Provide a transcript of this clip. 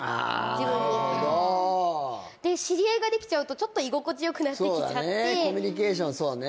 自分にあなるほど知り合いができちゃうとちょっと居心地よくなってきちゃってそうだねコミュニケーションそうね